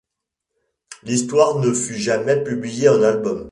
L'histoire ne fut jamais publié en album.